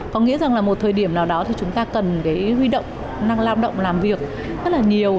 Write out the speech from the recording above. có nghĩa rằng một thời điểm nào đó chúng ta cần huy động lao động làm việc rất nhiều